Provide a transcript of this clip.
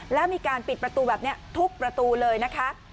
แล้วมีการปิดประตูแบบนี้ทุกประตูเลยนะคะ